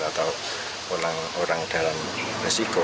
atau orang dalam resiko